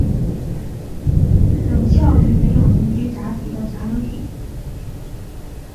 等效于没有连接闸极的闸流体。